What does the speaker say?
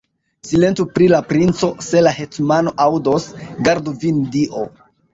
Silentu pri la princo; se la hetmano aŭdos, gardu vin Dio!